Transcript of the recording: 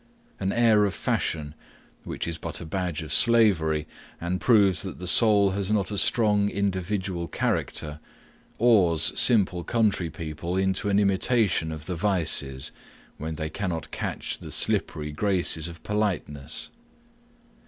An air of fashion, which is but a badge of slavery, and proves that the soul has not a strong individual character, awes simple country people into an imitation of the vices, when they cannot catch the slippery graces of politeness.